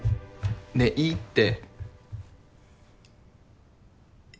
ねえいいって。